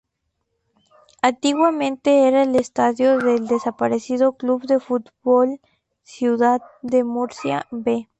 Antiguamente era el estadio del desaparecido Club de Fútbol Ciudad de Murcia "B".